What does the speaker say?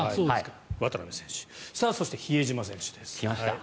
渡邊選手そして、比江島選手です。